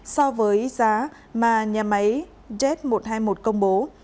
so với giá mà nhà máy jet một trăm hai mươi một công bố